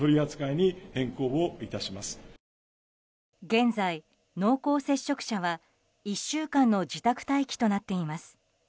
現在、濃厚接触者は１週間の自宅待機となっています。